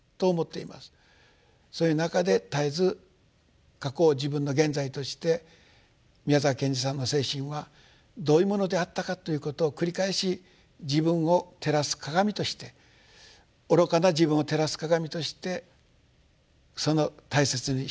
そういう中で絶えず過去を自分の現在として宮沢賢治さんの精神はどういうものであったかということを繰り返し自分を照らす鏡として愚かな自分を照らす鏡として大切にしたい。